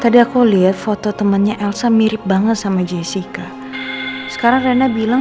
pada aku lihat foto temannya elsa mirip banget sama jessica sekarang rana bilang